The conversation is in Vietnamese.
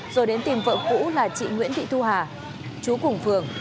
rồi đến tìm vợ cũ là chị nguyễn thị thu hà chú cùng phường